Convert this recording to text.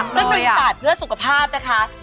สนุยสาวเรื่องสุขภาพนะคะ